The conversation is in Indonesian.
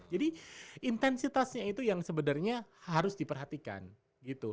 jadi intensitasnya itu yang sebenarnya harus diperhatikan gitu